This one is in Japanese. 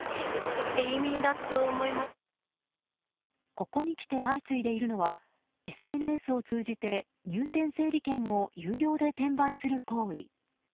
ここにきて、相次いでいるのはＳＮＳを通じて入店整理券を有料で転売する行為。